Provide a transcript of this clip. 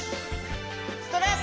ストレッ！